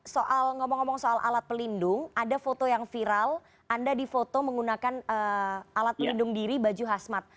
soal ngomong ngomong soal alat pelindung ada foto yang viral anda difoto menggunakan alat pelindung diri baju khasmat